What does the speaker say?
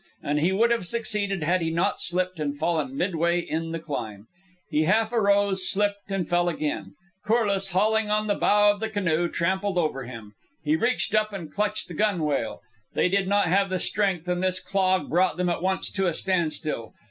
And he would have succeeded had he not slipped and fallen midway in the climb. He half arose, slipped, and fell again. Corliss, hauling on the bow of the canoe, trampled over him. He reached up and clutched the gunwale. They did not have the strength, and this clog brought them at once to a standstill.